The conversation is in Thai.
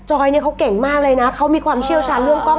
อยเนี่ยเขาเก่งมากเลยนะเขามีความเชี่ยวชาญเรื่องกล้อง